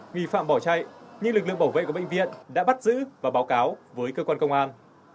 nghi phạm bỏ chạy nhưng lực lượng bảo vệ của bệnh viện đã bắt giữ và báo cáo với cơ quan công an